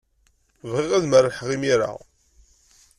Bɣiɣ ad merrḥeɣ imir-a.